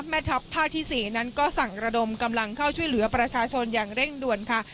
แม่ทัพภาคที่๔นั้นก็สั่งระดมกำลังเข้าช่วยเหลือประชาชนอย่างเร่งด่วนค่ะ